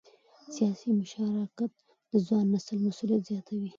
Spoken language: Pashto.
سیاسي مشارکت د ځوان نسل مسؤلیت زیاتوي